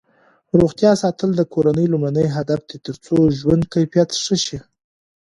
روغتیا ساتل د کورنۍ لومړنی هدف دی ترڅو ژوند کیفیت ښه شي.